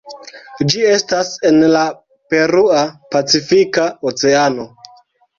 Ĝi estas en la Perua Pacifika Oceano.